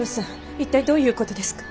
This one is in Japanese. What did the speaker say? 一体どういう事ですか？